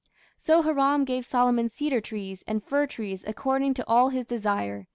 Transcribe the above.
So Hiram gave Solomon cedar trees and fir trees according to all his desire.